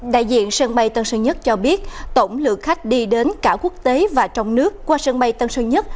đại diện sân bay tân sơn nhất cho biết tổng lượng khách đi đến cả quốc tế và trong nước qua sân bay tân sơn nhất